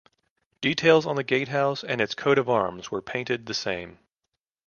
Details on the gatehouse and its coat of arms were painted the same.